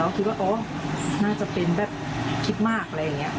แล้วคิดว่าน่าจะเป็นแบบคิดมากอะไรอย่างเงี้ย